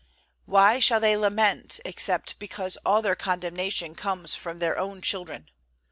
Why shall they lament, except because all their condemnation comes from their own children?